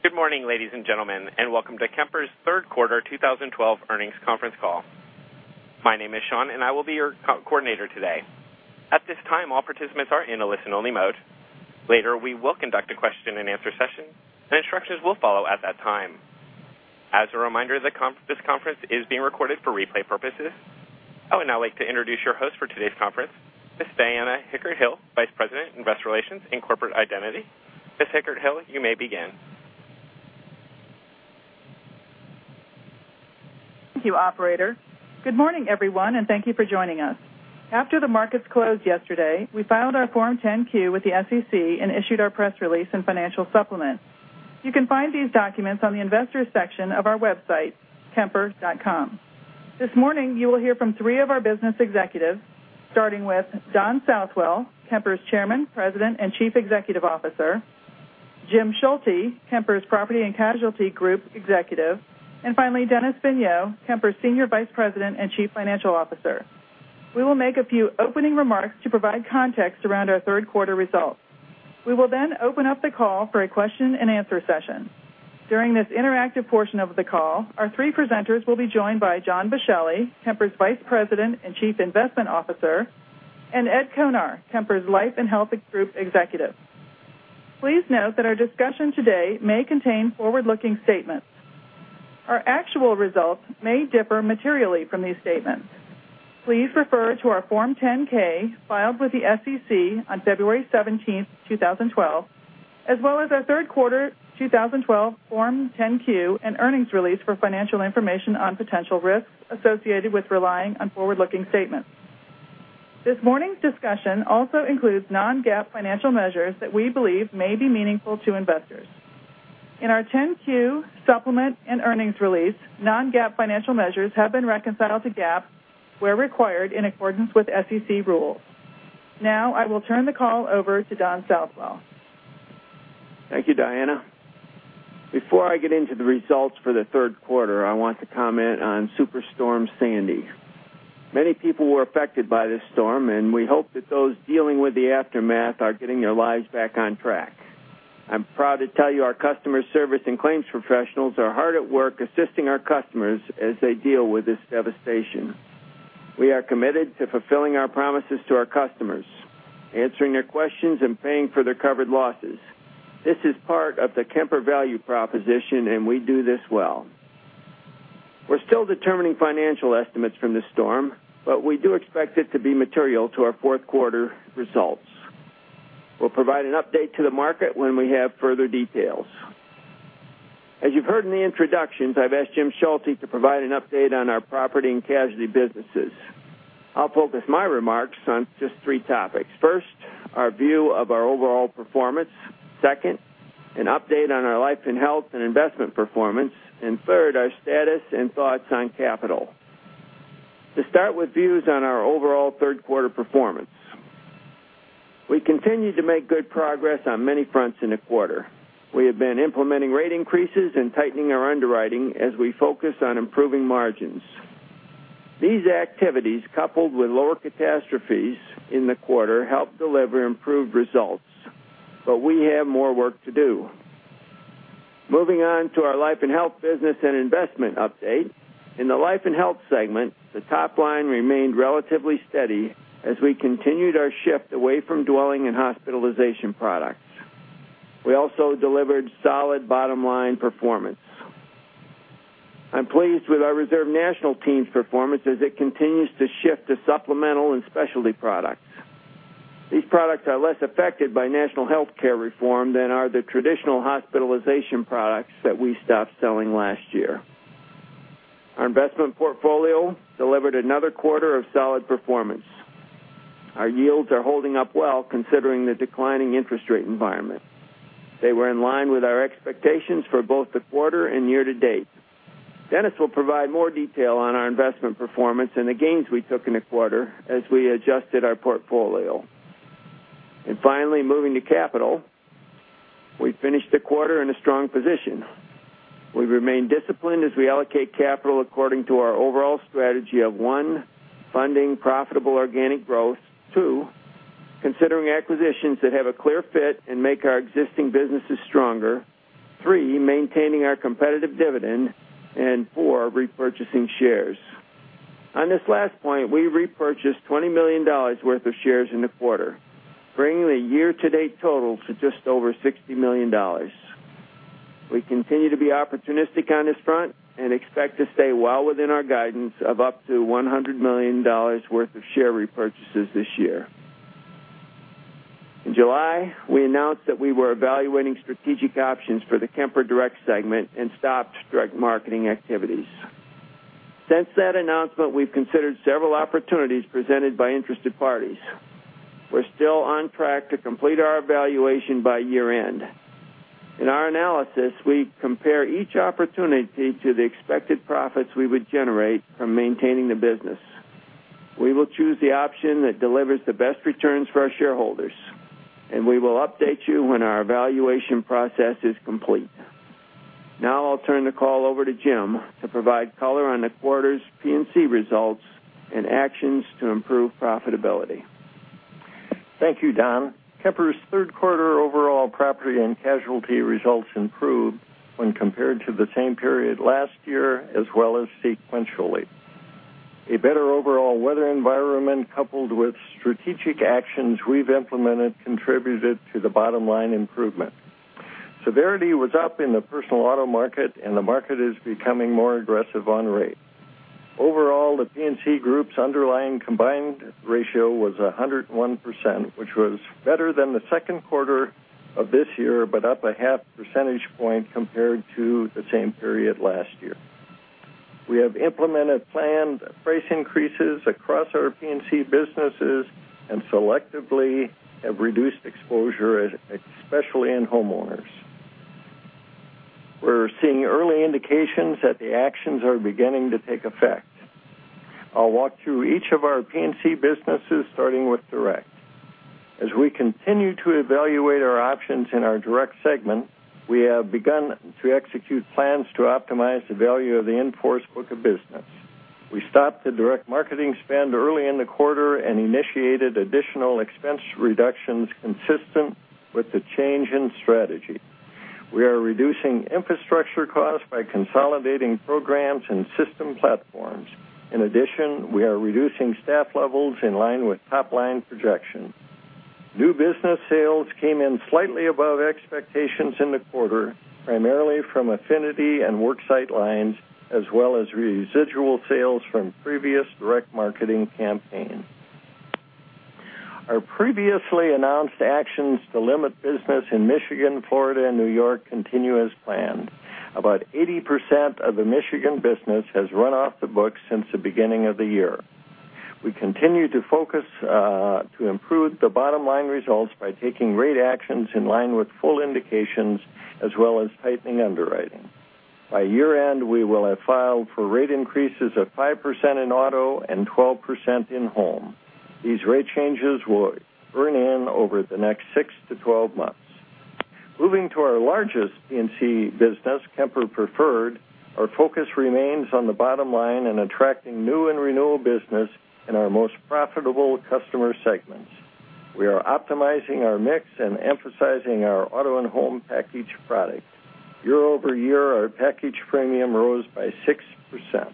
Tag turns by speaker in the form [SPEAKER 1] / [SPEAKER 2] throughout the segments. [SPEAKER 1] Good morning, ladies and gentlemen. Welcome to Kemper's third quarter 2012 earnings conference call. My name is Sean. I will be your call coordinator today. At this time, all participants are in a listen-only mode. Later, we will conduct a question-and-answer session. Instructions will follow at that time. As a reminder, this conference is being recorded for replay purposes. I would now like to introduce your host for today's conference, Ms. Diana Hickert-Hill, Vice President, Investor Relations and Corporate Identity. Ms. Hickert-Hill, you may begin.
[SPEAKER 2] Thank you, operator. Good morning, everyone. Thank you for joining us. After the markets closed yesterday, we filed our Form 10-Q with the SEC. We issued our press release and financial supplement. You can find these documents on the Investors section of our website, kemper.com. This morning, you will hear from three of our business executives, starting with Don Southwell, Kemper's Chairman, President, and Chief Executive Officer; Jim Schulte, Kemper's Property & Casualty Group Executive; and finally, Dennis Vigneau, Kemper's Senior Vice President and Chief Financial Officer. We will make a few opening remarks to provide context around our third quarter results. We will open up the call for a question-and-answer session. During this interactive portion of the call, our three presenters will be joined by John Boschelli, Kemper's Vice President and Chief Investment Officer, and Ed Konar, Kemper's Life and Health Group Executive. Please note that our discussion today may contain forward-looking statements. Our actual results may differ materially from these statements. Please refer to our Form 10-K filed with the SEC on February 17, 2012, as well as our third quarter 2012 Form 10-Q and earnings release for financial information on potential risks associated with relying on forward-looking statements. This morning's discussion also includes non-GAAP financial measures that we believe may be meaningful to investors. In our 10-Q supplement and earnings release, non-GAAP financial measures have been reconciled to GAAP where required in accordance with SEC rules. I will turn the call over to Don Southwell.
[SPEAKER 3] Thank you, Diana. Before I get into the results for the third quarter, I want to comment on Superstorm Sandy. Many people were affected by this storm. We hope that those dealing with the aftermath are getting their lives back on track. I'm proud to tell you our customer service and claims professionals are hard at work assisting our customers as they deal with this devastation. We are committed to fulfilling our promises to our customers, answering their questions, and paying for their covered losses. This is part of the Kemper value proposition. We do this well. We're still determining financial estimates from the storm. We do expect it to be material to our fourth quarter results. We'll provide an update to the market when we have further details. As you've heard in the introductions, I've asked Jim Schulte to provide an update on our property and casualty businesses. I'll focus my remarks on just three topics. First, our view of our overall performance. Second, an update on our life and health and investment performance. Third, our status and thoughts on capital. To start with views on our overall third quarter performance, we continued to make good progress on many fronts in the quarter. We have been implementing rate increases and tightening our underwriting as we focus on improving margins. These activities, coupled with lower catastrophes in the quarter, helped deliver improved results, but we have more work to do. Moving on to our life and health business and investment update. In the life and health segment, the top line remained relatively steady as we continued our shift away from dwelling and hospitalization products. We also delivered solid bottom-line performance. I'm pleased with our Reserve National team's performance as it continues to shift to supplemental and specialty products. These products are less affected by national healthcare reform than are the traditional hospitalization products that we stopped selling last year. Our investment portfolio delivered another quarter of solid performance. Our yields are holding up well considering the declining interest rate environment. They were in line with our expectations for both the quarter and year-to-date. Dennis will provide more detail on our investment performance and the gains we took in the quarter as we adjusted our portfolio. Finally, moving to capital, we finished the quarter in a strong position. We remain disciplined as we allocate capital according to our overall strategy of, one, funding profitable organic growth. Two, considering acquisitions that have a clear fit and make our existing businesses stronger. Three, maintaining our competitive dividend. Four, repurchasing shares. On this last point, we repurchased $20 million worth of shares in the quarter, bringing the year-to-date total to just over $60 million. We continue to be opportunistic on this front and expect to stay well within our guidance of up to $100 million worth of share repurchases this year. In July, we announced that we were evaluating strategic options for the Kemper Direct segment and stopped direct marketing activities. Since that announcement, we've considered several opportunities presented by interested parties. We're still on track to complete our evaluation by year-end. In our analysis, we compare each opportunity to the expected profits we would generate from maintaining the business. We will choose the option that delivers the best returns for our shareholders, and we will update you when our evaluation process is complete. Now I'll turn the call over to Jim to provide color on the quarter's P&C results and actions to improve profitability.
[SPEAKER 4] Thank you, Don. Kemper's third quarter overall property and casualty results improved when compared to the same period last year, as well as sequentially. A better overall weather environment, coupled with strategic actions we've implemented, contributed to the bottom-line improvement. Severity was up in the personal auto market, and the market is becoming more aggressive on rate. Overall, the P&C group's underlying combined ratio was 101%, which was better than the second quarter of this year, but up a half percentage point compared to the same period last year. We have implemented planned price increases across our P&C businesses and selectively have reduced exposure, especially in homeowners. We're seeing early indications that the actions are beginning to take effect. I'll walk through each of our P&C businesses, starting with direct. As we continue to evaluate our options in our direct segment, we have begun to execute plans to optimize the value of the in-force book of business. We stopped the direct marketing spend early in the quarter and initiated additional expense reductions consistent with the change in strategy. We are reducing infrastructure costs by consolidating programs and system platforms. In addition, we are reducing staff levels in line with top-line projections. New business sales came in slightly above expectations in the quarter, primarily from affinity and worksite lines, as well as residual sales from previous direct marketing campaigns. Our previously announced actions to limit business in Michigan, Florida, and New York continue as planned. About 80% of the Michigan business has run off the books since the beginning of the year. We continue to focus to improve the bottom-line results by taking rate actions in line with full indications, as well as tightening underwriting. By year-end, we will have filed for rate increases of 5% in auto and 12% in home. These rate changes will earn in over the next six to 12 months. Moving to our largest P&C business, Kemper Preferred, our focus remains on the bottom line and attracting new and renewal business in our most profitable customer segments. We are optimizing our mix and emphasizing our auto and home package product. Year-over-year, our package premium rose by 6%.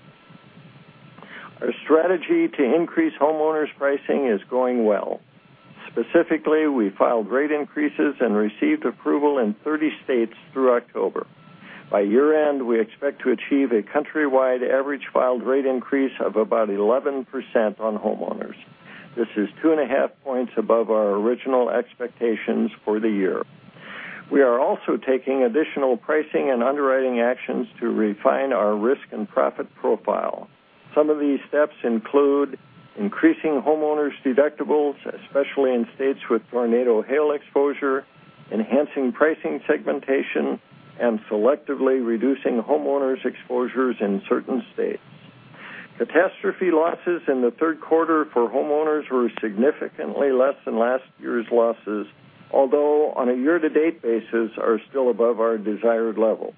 [SPEAKER 4] Our strategy to increase homeowners pricing is going well. Specifically, we filed rate increases and received approval in 30 states through October. By year-end, we expect to achieve a countrywide average filed rate increase of about 11% on homeowners. This is two and a half points above our original expectations for the year. We are also taking additional pricing and underwriting actions to refine our risk and profit profile. Some of these steps include increasing homeowners deductibles, especially in states with tornado hail exposure, enhancing pricing segmentation, and selectively reducing homeowners exposures in certain states. Catastrophe losses in the third quarter for homeowners were significantly less than last year's losses, although on a year-to-date basis are still above our desired level.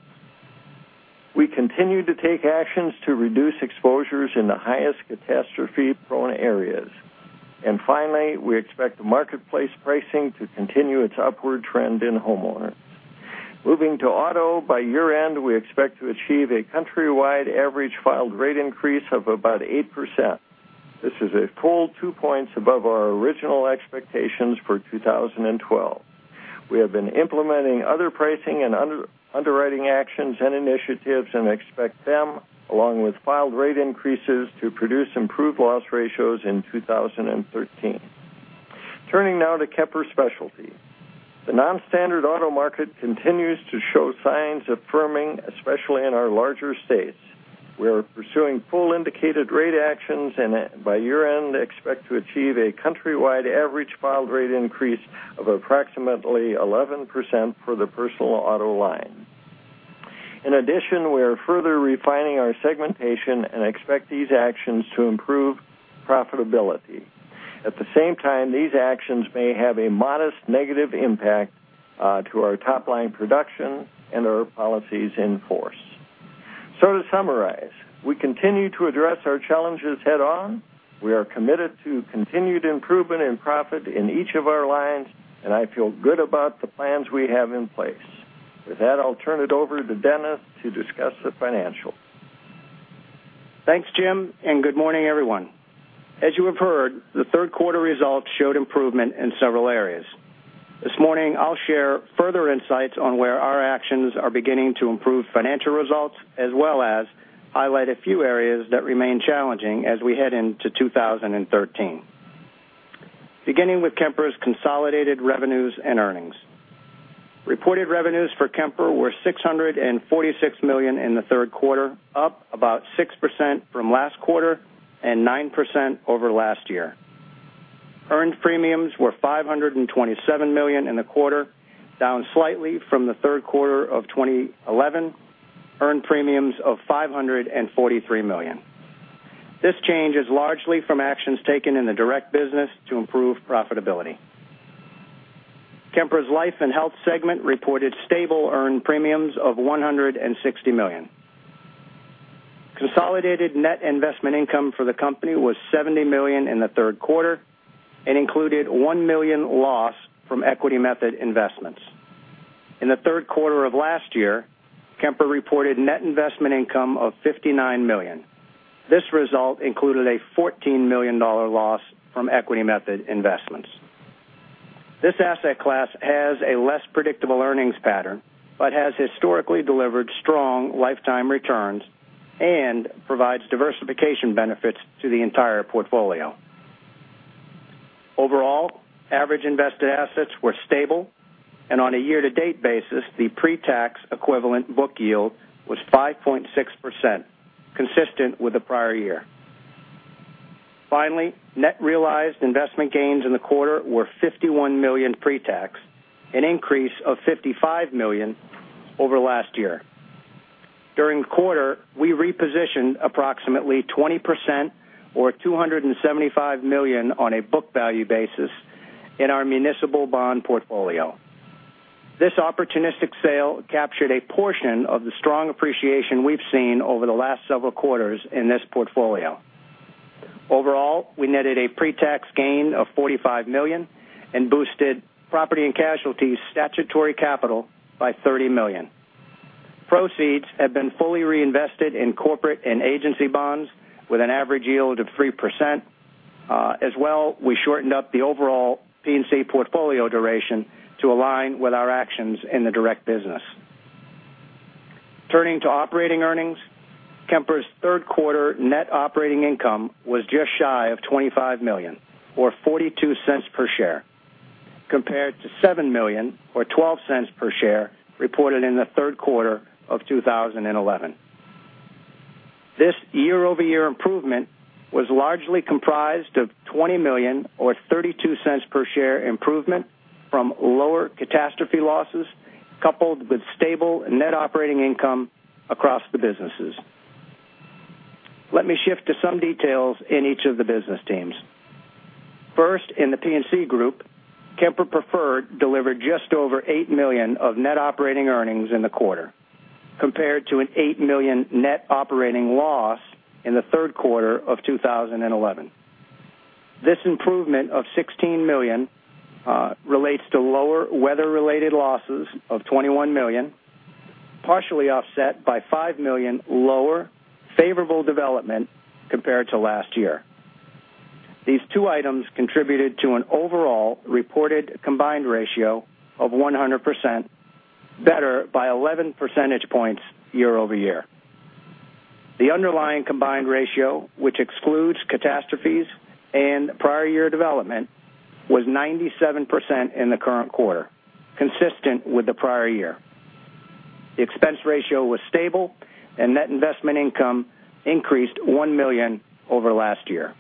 [SPEAKER 4] We continue to take actions to reduce exposures in the highest catastrophe-prone areas. Finally, we expect the marketplace pricing to continue its upward trend in homeowners. Moving to auto, by year-end, we expect to achieve a countrywide average filed rate increase of about 8%. This is a full two points above our original expectations for 2012. We have been implementing other pricing and underwriting actions and initiatives and expect them, along with filed rate increases, to produce improved loss ratios in 2013. Turning now to Kemper Specialty. The non-standard auto market continues to show signs of firming, especially in our larger states. We are pursuing full indicated rate actions and by year-end, expect to achieve a countrywide average filed rate increase of approximately 11% for the personal auto line. In addition, we are further refining our segmentation and expect these actions to improve profitability. At the same time, these actions may have a modest negative impact to our top-line production and our policies in force. To summarize, we continue to address our challenges head-on. We are committed to continued improvement in profit in each of our lines, and I feel good about the plans we have in place. With that, I'll turn it over to Dennis to discuss the financials.
[SPEAKER 5] Thanks, Jim, and good morning, everyone. As you have heard, the third quarter results showed improvement in several areas. This morning, I'll share further insights on where our actions are beginning to improve financial results, as well as highlight a few areas that remain challenging as we head into 2013. Beginning with Kemper's consolidated revenues and earnings. Reported revenues for Kemper were $646 million in the third quarter, up about 6% from last quarter and 9% over last year. Earned premiums were $527 million in the quarter, down slightly from the third quarter of 2011, earned premiums of $543 million. This change is largely from actions taken in the direct business to improve profitability. Kemper's Life and Health segment reported stable earned premiums of $160 million. Consolidated net investment income for the company was $70 million in the third quarter and included a $1 million loss from equity method investments. In the third quarter of last year, Kemper reported net investment income of $59 million. This result included a $14 million loss from equity method investments. This asset class has a less predictable earnings pattern, but has historically delivered strong lifetime returns and provides diversification benefits to the entire portfolio. Overall, average invested assets were stable, and on a year-to-date basis, the pre-tax equivalent book yield was 5.6%, consistent with the prior year. Finally, net realized investment gains in the quarter were $51 million pre-tax, an increase of $55 million over last year. During the quarter, we repositioned approximately 20%, or $275 million on a book value basis, in our municipal bond portfolio. This opportunistic sale captured a portion of the strong appreciation we've seen over the last several quarters in this portfolio. Overall, we netted a pre-tax gain of $45 million and boosted property and casualty statutory capital by $30 million. Proceeds have been fully reinvested in corporate and agency bonds with an average yield of 3%. We shortened up the overall P&C portfolio duration to align with our actions in the direct business. Turning to operating earnings, Kemper's third quarter net operating income was just shy of $25 million, or $0.42 per share, compared to $7 million or $0.12 per share reported in the third quarter of 2011. This year-over-year improvement was largely comprised of $20 million or $0.32 per share improvement from lower catastrophe losses, coupled with stable net operating income across the businesses. Let me shift to some details in each of the business teams. First, in the P&C group, Kemper Preferred delivered just over $8 million of net operating earnings in the quarter, compared to an $8 million net operating loss in the third quarter of 2011. This improvement of $16 million relates to lower weather-related losses of $21 million, partially offset by $5 million lower favorable development compared to last year. These two items contributed to an overall reported combined ratio of 100%, better by 11 percentage points year-over-year. The underlying combined ratio, which excludes catastrophes and prior year development, was 97% in the current quarter, consistent with the prior year. The expense ratio was stable and net investment income increased $1 million over last year.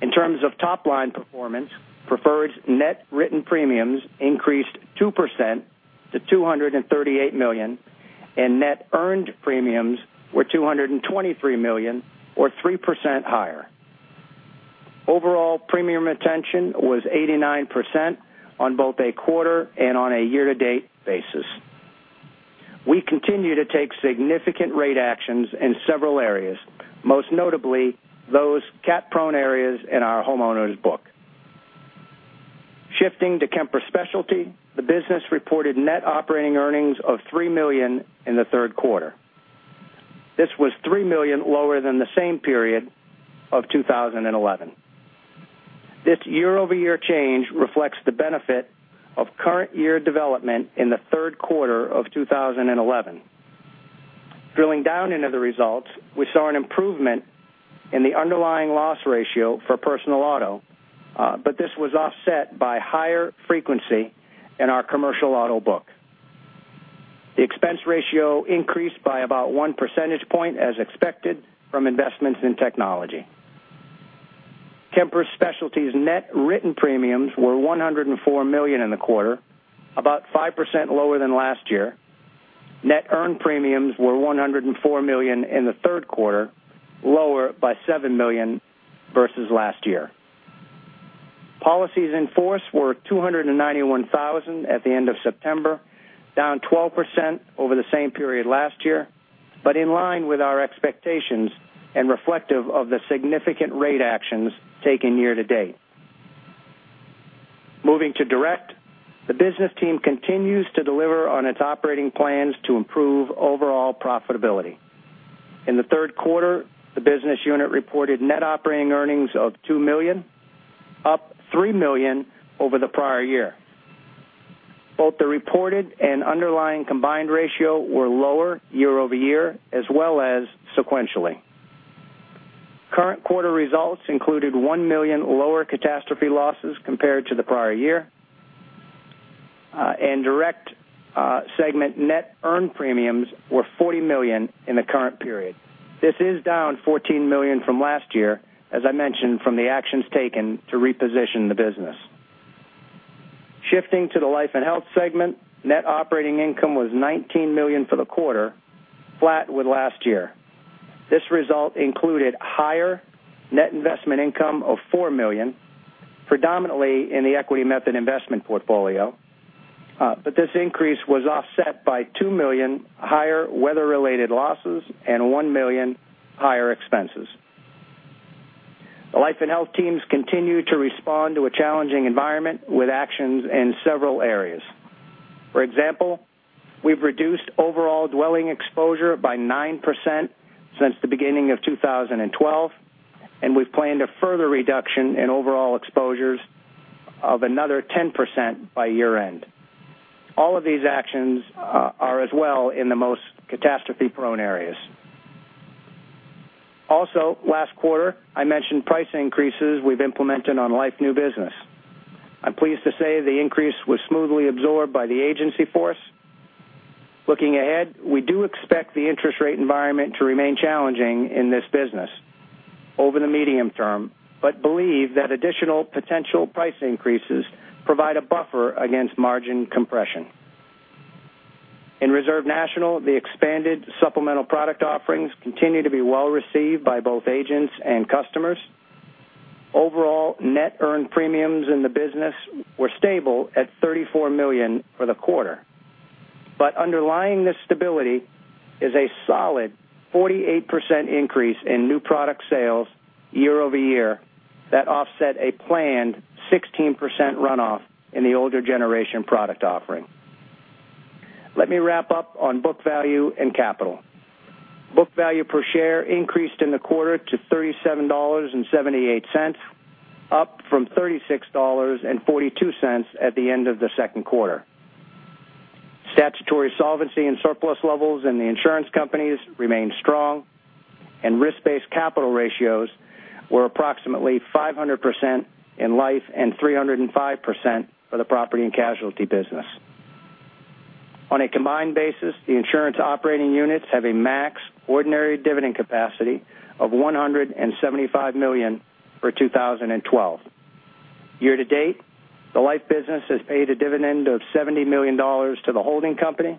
[SPEAKER 5] In terms of top-line performance, Preferred's net written premiums increased 2% to $238 million, and net earned premiums were $223 million, or 3% higher. Overall premium retention was 89% on both a quarter and on a year-to-date basis. We continue to take significant rate actions in several areas, most notably those cat-prone areas in our homeowners book. Shifting to Kemper Specialty, the business reported net operating earnings of $3 million in the third quarter. This was $3 million lower than the same period of 2011. This year-over-year change reflects the benefit of current year development in the third quarter of 2011. Drilling down into the results, we saw an improvement in the underlying loss ratio for personal auto, but this was offset by higher frequency in our commercial auto book. The expense ratio increased by about one percentage point as expected from investments in technology. Kemper Specialty's net written premiums were $104 million in the quarter, about 5% lower than last year. Net earned premiums were $104 million in the third quarter, lower by $7 million versus last year. Policies in force were 291,000 at the end of September, down 12% over the same period last year, but in line with our expectations and reflective of the significant rate actions taken year-to-date. Moving to direct, the business team continues to deliver on its operating plans to improve overall profitability. In the third quarter, the business unit reported net operating earnings of $2 million, up $3 million over the prior year. Both the reported and underlying combined ratio were lower year-over-year as well as sequentially. Current quarter results included $1 million lower catastrophe losses compared to the prior year, and direct segment net earned premiums were $40 million in the current period. This is down $14 million from last year, as I mentioned, from the actions taken to reposition the business. Shifting to the life and health segment, net operating income was $19 million for the quarter, flat with last year. This result included higher net investment income of $4 million, predominantly in the equity method investment portfolio. This increase was offset by $2 million higher weather-related losses and $1 million higher expenses. The life and health teams continue to respond to a challenging environment with actions in several areas. For example, we've reduced overall dwelling exposure by 9% since the beginning of 2012, and we've planned a further reduction in overall exposures of another 10% by year-end. All of these actions are as well in the most catastrophe-prone areas. Also, last quarter, I mentioned price increases we've implemented on life new business. I'm pleased to say the increase was smoothly absorbed by the agency force. Looking ahead, we do expect the interest rate environment to remain challenging in this business over the medium term, but believe that additional potential price increases provide a buffer against margin compression. In Reserve National, the expanded supplemental product offerings continue to be well-received by both agents and customers. Overall, net earned premiums in the business were stable at $34 million for the quarter. Underlying this stability is a solid 48% increase in new product sales year-over-year that offset a planned 16% runoff in the older generation product offering. Let me wrap up on book value and capital. Book value per share increased in the quarter to $37.78, up from $36.42 at the end of the second quarter. Statutory solvency and surplus levels in the insurance companies remained strong. Risk-based capital ratios were approximately 500% in life and 305% for the property and casualty business. On a combined basis, the insurance operating units have a max ordinary dividend capacity of $175 million for 2012. Year to date, the life business has paid a dividend of $70 million to the holding company,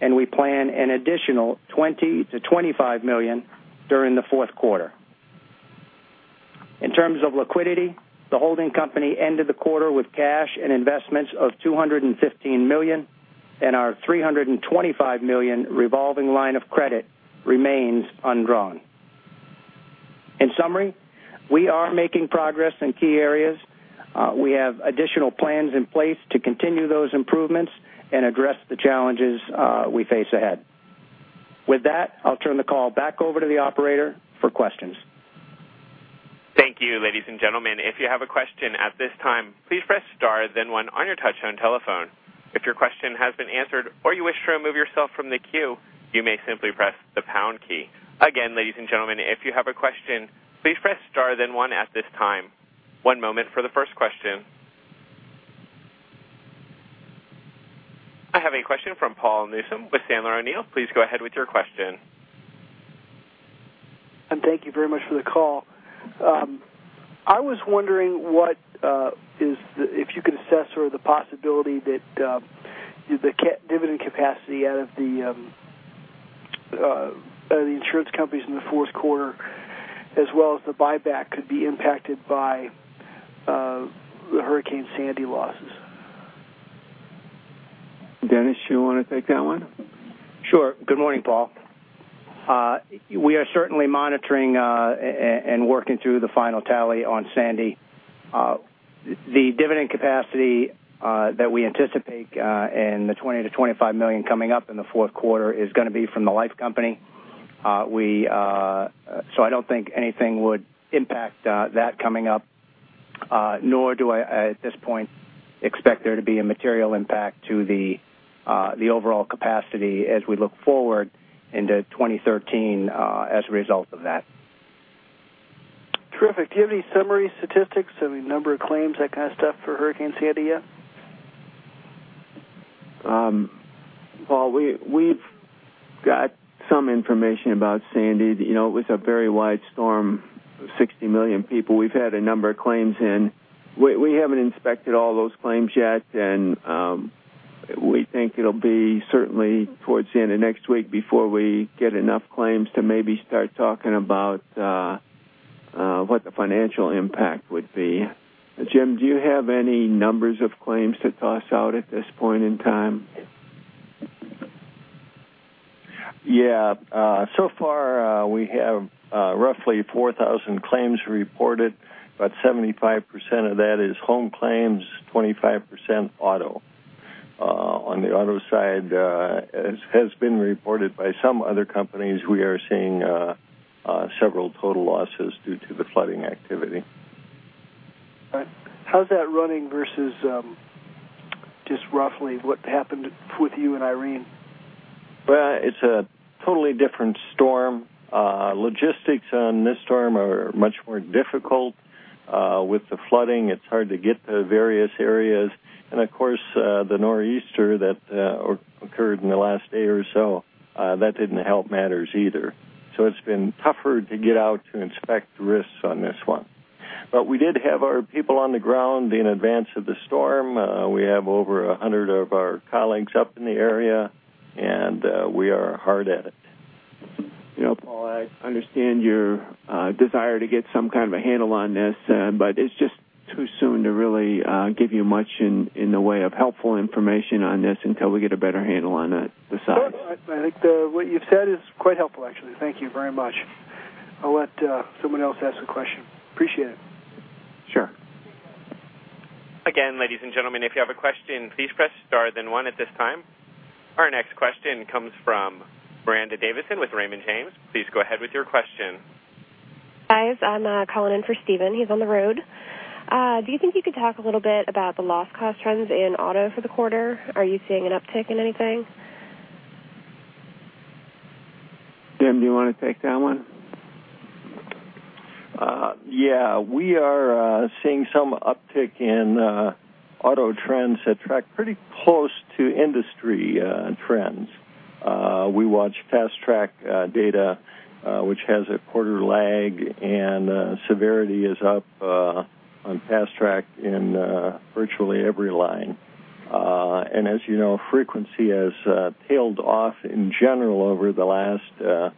[SPEAKER 5] and we plan an additional $20 million-$25 million during the fourth quarter. In terms of liquidity, the holding company ended the quarter with cash and investments of $215 million, and our $325 million revolving line of credit remains undrawn. In summary, we are making progress in key areas. We have additional plans in place to continue those improvements and address the challenges we face ahead. With that, I'll turn the call back over to the operator for questions.
[SPEAKER 1] Thank you, ladies and gentlemen. If you have a question at this time, please press star then one on your touch-tone telephone. If your question has been answered or you wish to remove yourself from the queue, you may simply press the pound key. Again, ladies and gentlemen, if you have a question, please press star then one at this time. One moment for the first question. I have a question from Paul Newsome with Sandler O'Neill. Please go ahead with your question.
[SPEAKER 6] Thank you very much for the call. I was wondering if you could assess the possibility that the dividend capacity out of the insurance companies in the fourth quarter as well as the buyback could be impacted by the Hurricane Sandy losses.
[SPEAKER 3] Dennis, you want to take that one? Sure. Good morning, Paul. We are certainly monitoring and working through the final tally on Sandy. The dividend capacity that we anticipate in the $20 million-$25 million coming up in the fourth quarter is going to be from the life company. I don't think anything would impact that coming up, nor do I, at this point, expect there to be a material impact to the overall capacity as we look forward into 2013 as a result of that.
[SPEAKER 6] Terrific. Do you have any summary statistics, any number of claims, that kind of stuff for Hurricane Sandy yet?
[SPEAKER 3] Paul, we've got some information about Sandy. It was a very wide storm, 60 million people. We've had a number of claims in. We haven't inspected all those claims yet and we think it'll be certainly towards the end of next week before we get enough claims to maybe start talking about what the financial impact would be. Jim, do you have any numbers of claims to toss out at this point in time?
[SPEAKER 4] We have roughly 4,000 claims reported, but 75% of that is home claims, 25% auto. On the auto side, as has been reported by some other companies, we are seeing several total losses due to the flooding activity.
[SPEAKER 6] How's that running versus just roughly what happened with you and Irene?
[SPEAKER 4] Well, it's a totally different storm. Logistics on this storm are much more difficult. With the flooding, it's hard to get to various areas. Of course, the nor'easter that occurred in the last day or so, that didn't help matters either. It's been tougher to get out to inspect risks on this one. We did have our people on the ground in advance of the storm. We have over 100 of our colleagues up in the area, we are hard at it.
[SPEAKER 5] Paul, I understand your desire to get some kind of a handle on this, it's just too soon to really give you much in the way of helpful information on this until we get a better handle on the size.
[SPEAKER 6] I think what you've said is quite helpful, actually. Thank you very much. I'll let someone else ask a question. Appreciate it.
[SPEAKER 5] Sure.
[SPEAKER 1] Again, ladies and gentlemen, if you have a question, please press star then one at this time. Our next question comes from Miranda Davidson with Raymond James. Please go ahead with your question.
[SPEAKER 7] Guys, I'm calling in for Steven. He's on the road. Do you think you could talk a little bit about the loss cost trends in auto for the quarter? Are you seeing an uptick in anything?
[SPEAKER 5] Jim, do you want to take that one?
[SPEAKER 4] Yeah. We are seeing some uptick in auto trends that track pretty close to industry trends. We watch FastTrack data, which has a quarter lag, severity is up on FastTrack in virtually every line. As you know, frequency has tailed off in general over the last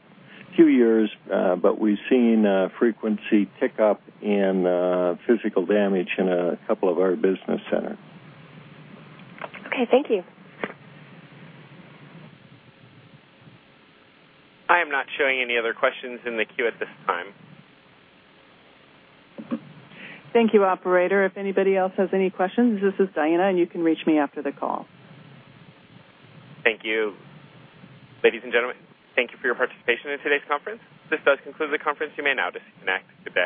[SPEAKER 4] few years, but we've seen frequency tick up in physical damage in a couple of our business centers.
[SPEAKER 7] Okay, thank you.
[SPEAKER 1] I am not showing any other questions in the queue at this time.
[SPEAKER 2] Thank you, operator. If anybody else has any questions, this is Diana, and you can reach me after the call.
[SPEAKER 1] Thank you. Ladies and gentlemen, thank you for your participation in today's conference. This does conclude the conference. You may now disconnect. Goodbye.